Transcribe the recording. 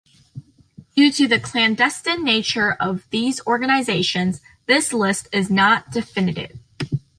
Due to the clandestine nature of these organisations, this list is not definitive.